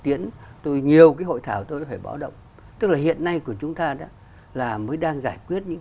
tiễn nhiều cái hội thảo tôi phải bỏ động tức là hiện nay của chúng ta đó là mới đang giải quyết những